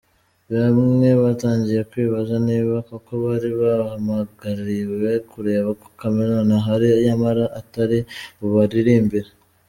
Bamwe batangiye kwibaza niba koko bari bahamagariwe kureba ko Chameleone ahari nyamara atari bubaririmbire.